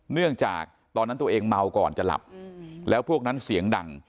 เนื่องจากตอนนั้นตัวเองเมาก่อนจะหลับแล้วพวกนั้นเสียงดัง